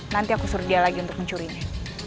nanti aku suruh dia lagi untuk mencurinya